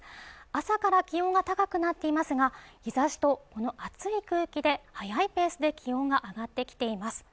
朝から気温が高くなっていますが日差しとこの暑い空気で早いペースで気温が上がってきています